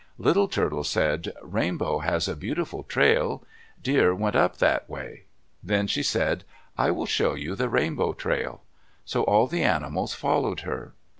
Little Turtle said, "Rainbow has a beautiful trail. Deer went up that way." Then she said, "I will show you the Rainbow trail." So all the animals followed her.